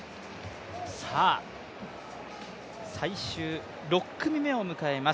最終６組目を迎えます